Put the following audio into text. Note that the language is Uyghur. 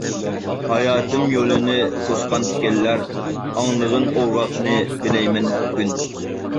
ھاياتىم يولىنى توسقان تىكەنلەر، ئاڭلىغىن ئورغاقنى بىلەيمەن ھەر كۈن.